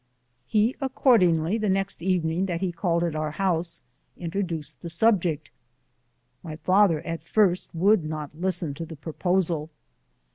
He accordingly the next evening that he 13 called at our house, introduced the subject : my father at first would not listen to the proposal.